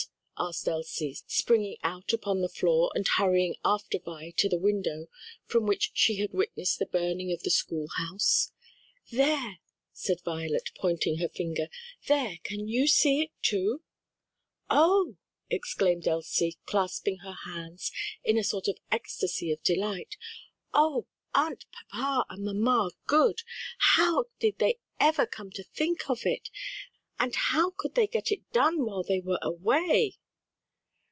asked Elsie, springing out upon the floor and hurrying after Vi to the window from which she had witnessed the burning of the schoolhouse. "There!" said Violet, pointing with her finger, "there! can you see it too?" "Oh!" exclaimed Elsie, clasping her hands in a sort of ecstasy of delight, "oh, aren't papa and mamma good? How did they ever come to think of it! and how could they get it done while they were away?"